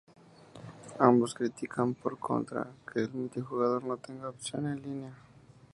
Ambos critican, por contra, que el multijugador no tenga opción en línea.